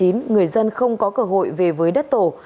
người dân không có cơ hội về với đất tổ